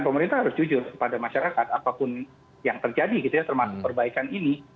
pemerintah harus jujur kepada masyarakat apapun yang terjadi gitu ya termasuk perbaikan ini